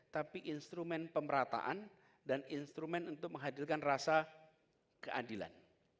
tapi instrumen pemerataan dan instrumen untuk menghadirkan rasa keadilan